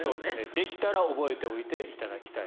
できたら覚えておいていただきたい。